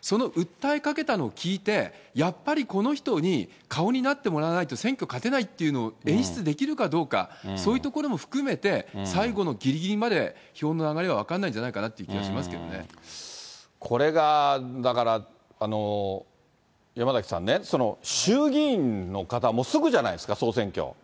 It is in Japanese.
その訴えかけたのを聞いて、やっぱりこの人に顔になってもらわないと、選挙勝てないっていうのを演出できるかどうか、そういうところも含めて、最後のぎりぎりまで票の流れは分かんないんじゃないかなという気これがだから、山崎さんね、衆議院の方、もうすぐじゃないですか、総選挙。